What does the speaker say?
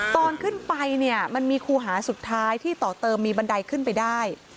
ตอนขึ้นไปเนี่ยมันมีครูหาสุดท้ายที่ต่อเติมมีบันไดขึ้นไปได้